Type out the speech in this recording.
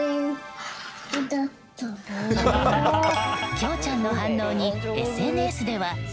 きょーちゃんの反応にＳＮＳでは。